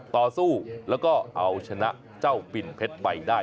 ต่อสู้แล้วก็เอาชนะเจ้าปิ่นเพชรไปได้